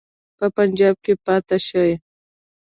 په پنجاب کې پاته شي.